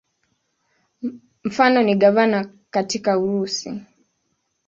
Mfano ni gavana katika Urusi.